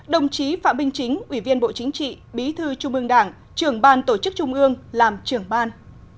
đồng chí phạm binh chính ủy viên bộ chính trị bị thư trung mương đảng trưởng ban tổ chức trung ương làm trưởng ban